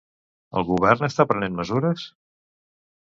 El govern està prenent mesures?